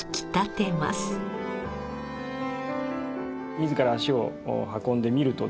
自ら足を運んでみるとですね